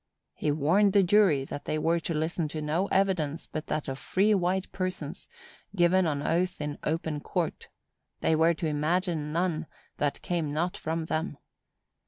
He warned the jury that they were to listen to no evidence but that of free white persons, given on oath in open court; they were to imagine none that came not from them.